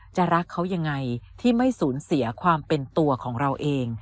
รักเขายังไงที่ไม่สูญเสียความเป็นตัวของเราเอง